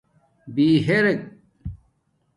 بِہرک